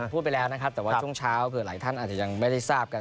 พูดไปแล้วนะครับแต่ว่าช่วงเช้าเผื่อหลายท่านอาจจะยังไม่ได้ทราบกัน